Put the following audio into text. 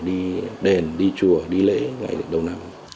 đi đền đi chùa đi lễ ngày đầu năm